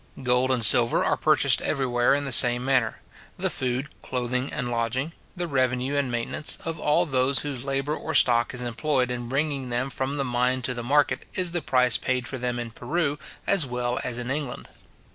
Gold and silver are purchased everywhere in the same manner. The food, clothing, and lodging, the revenue and maintenance, of all those whose labour or stock is employed in bringing them from the mine to the market, is the price paid for them in Peru as well as in England.